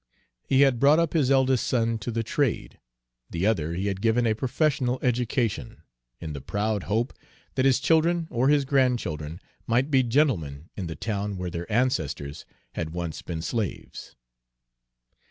He had brought up his eldest son to the trade; the other he had given a professional education, in the proud hope that his children or his grandchildren might be gentlemen in the town where their ancestors had once been slaves.